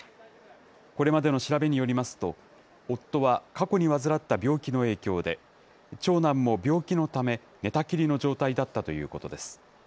これまでの調べによりますと、夫は過去に患った病気の影響で、長男も病気のため、寝たきりの状態だったということです。